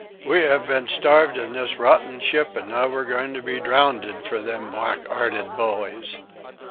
We 'ave been starved in this rotten ship, an' now we're goin' to be drowned for them black 'earted bullies!